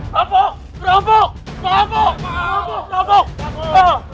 rampok merampok merampok merampok merampok